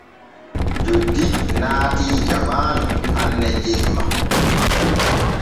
Joddi naati jamaanu hanne jemma.